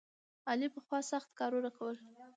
علي پخوا سخت کارونه کول.